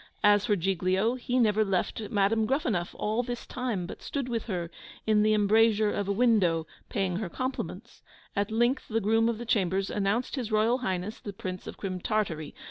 As for Giglio, he never left Madam Gruffanuff all this time, but stood with her in the embrasure of a window, paying her compliments. At length the groom of the chambers announced his Royal Highness the Prince of Crim Tartary!